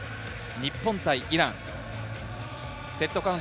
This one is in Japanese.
日本対イラン。